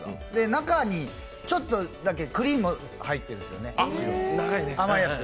中にちょっとだけクリームが入ってるんですよね、甘いやつ。